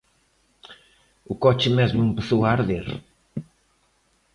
O coche mesmo empezou a arder.